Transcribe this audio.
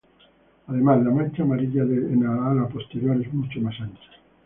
Además, la mancha amarilla en el ala posterior es mucho más ancha.